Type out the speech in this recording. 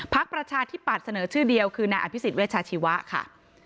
ประชาธิปัตย์เสนอชื่อเดียวคือนายอภิษฎเวชาชีวะค่ะ